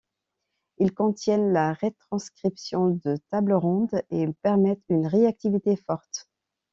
Ils contiennent la retranscription de table ronde et permettent une réactivité forte.